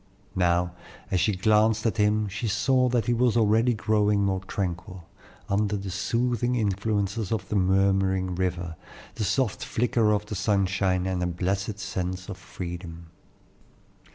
Now, as she glanced at him she saw that he was already growing more tranquil, under the soothing influences of the murmuring river, the soft flicker of the sunshine, and a blessed sense of freedom.